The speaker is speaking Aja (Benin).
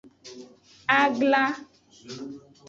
Aglan.